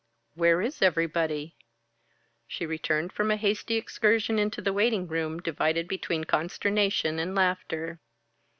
"Where is everybody?" She returned from a hasty excursion into the waiting room, divided between consternation and laughter.